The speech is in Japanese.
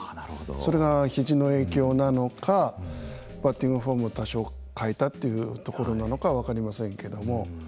それがひじの影響なのかバッティングフォーム多少変えたっていうところなのかは分かりませんけども。